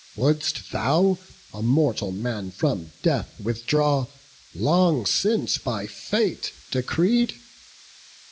Wouldst thou a mortal man from death withdraw Long since by fate decreed?